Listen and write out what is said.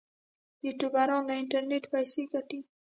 یوټیوبران له انټرنیټ پیسې ګټي